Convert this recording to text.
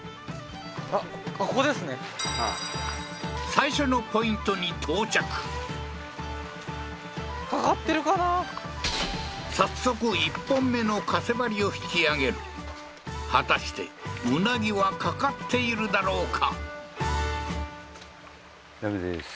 最初のポイントに到着早速１本目のかせばりを引き上げる果たしてうなぎは掛かっているだろうか？